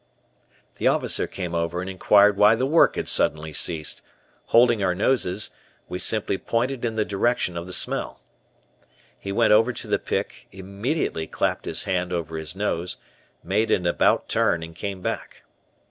The officer came over and inquired why the work had suddenly ceased, holding our noses, we simply pointed in the direction of the smelt. He went over to the pick, immediately clapped his hand over his nose, made an "about turn" and came back.